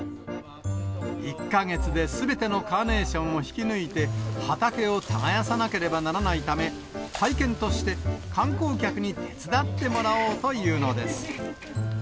１か月ですべてのカーネーションを引き抜いて、畑を耕さなければならないため、体験として、観光客に手伝ってもらおうというのです。